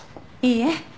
いいえ。